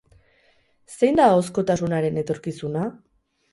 Zein da ahozkotasunaren etorkizuna?